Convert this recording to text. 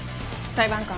裁判官。